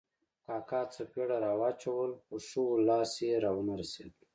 کاکا څپېړه را واچوله خو ښه وو، لاس یې را و نه رسېد.